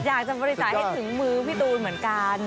อยากจะบริจาคให้ถึงมือพี่ตูนเหมือนกัน